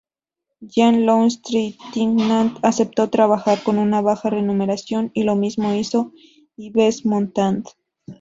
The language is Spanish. Jean-Louis Trintignant aceptó trabajar con una baja remuneración, y lo mismo hizo Yves Montand.